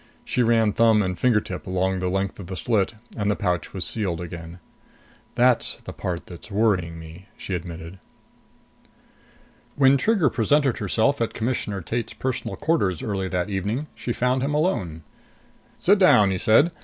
She ran thumb and finger tip along the length of the slit, and the pouch was sealed again. "That's the part that's worrying me," she admitted. When Trigger presented herself at Commissioner Tate's personal quarters early that evening, she found him alone. "Sit down," he said.